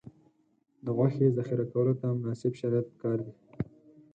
د غوښې ذخیره کولو ته مناسب شرایط پکار دي.